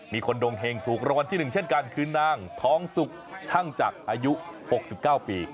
มีคนดวงเห็งถูกรางวัลที่๑เช่นกันคือนางทองสุกช่างจักรอายุ๖๙ปี